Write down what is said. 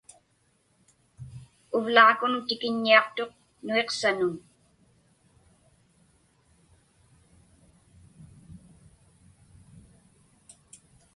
Uvlaakun tikiññiaqtuq Nuisanun.